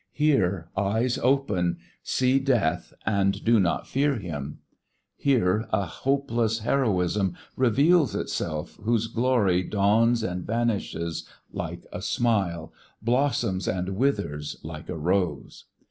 Here eyes open, see Death and do not fear him. Here a hopeless heroism reveals itself whose glory dawns and vanishes like a smile, blossoms and withers like a rose.